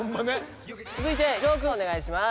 続いて丈くんお願いします。